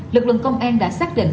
lực lượng công an đã xác định